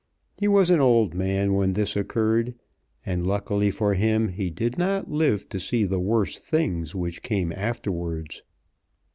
He was an old man when this occurred, and luckily for him he did not live to see the worse things which came afterwards.